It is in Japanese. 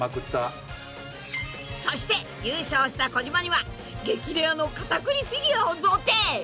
［そして優勝した児嶋には激レアのカタクリフィギュアを贈呈］